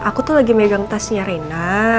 aku tuh lagi megang tasnya reina